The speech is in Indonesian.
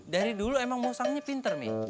dari dulu emang musangnya pinter nih